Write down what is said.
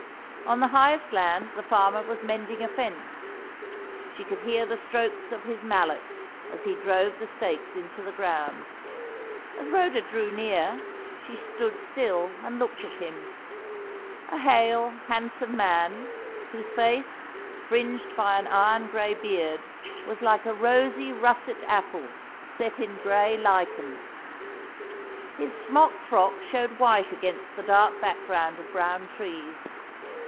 On the highest land the farmer was mending a fence. She could hear the strokes of his mallet as he drove the stakes into the ground. As Rhoda drew near, she stood still and looked at him a hale, handsome man, whose face, fringed by an iron grey beard, was like a rosy russet apple set in grey lichen. His smock frock showed white against the dark background of brown trees.